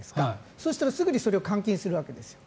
そうしたらすぐにそれを換金するわけです。